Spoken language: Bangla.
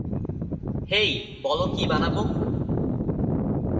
হেই, বলো কী বানাবো?